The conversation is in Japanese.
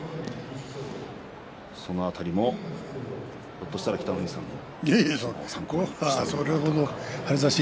その辺りもひょっとしたら北の富士さんの相撲を参考に。